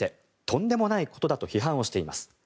とんでもないことだと批判をしています。